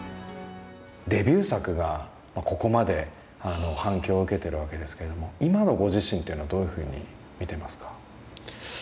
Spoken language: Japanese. デビュー作がここまで反響を受けてるわけですけれども今のご自身というのはどういうふうに見てますか？